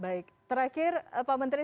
baik terakhir pak menteri